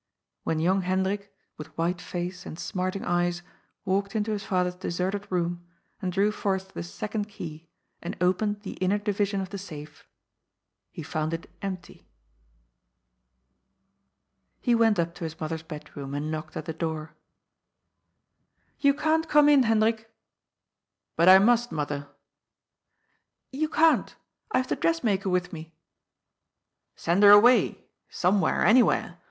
When young Hendrik, with white face and smarting eyes, walked into his father's deserted room, and drew forth the second key and opened the inner division of the safe, he found it empty. He went up to his mother's bedroom and knocked at the door. " You can't come in, Hendrik." " But I must, mother." " You can't. I have the dressmaker with me." " Send her away, somewhere, anywhere.